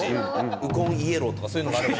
ウコンイエローとかそういうのがあれば。